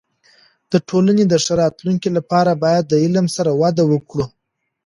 د ټولنې د ښه راتلونکي لپاره باید د علم سره وده وکړو.